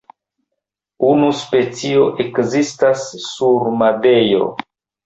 Unu specio ekzistas sur Madejro.